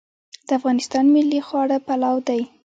د افغانستان ملي خواړه پلاو دی